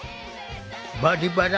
「バリバラ」